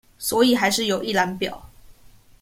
所以還是有一覽表